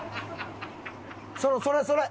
それそれ！